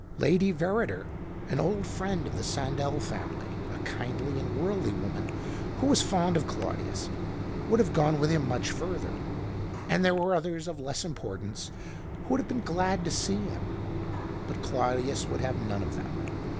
Lady Verrider, an old friend of the Sandell family, a kindly and worldly woman who was fond of Claudius, would have gone with him much further ; and there were others, of less importance, who would have been glad to see him. But Claudius 90 THE OCTAVE OF CLAUDIUS. would have none of them.